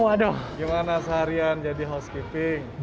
gimana seharian jadi housekeeping